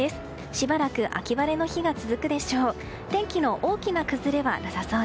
しばらく秋晴れの日が続くでしょう。